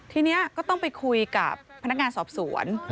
ทีนี้ก็ต้องไปคุยกับพนักงานสอบสวน